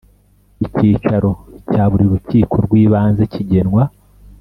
Icyicaro cya buri Rukiko rw Ibanze kigenwa